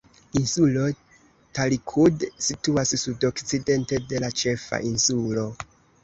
Insulo Talikud situas sudokcidente de la ĉefa insulo.